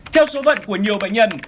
theo số vận của nhiều bệnh nhân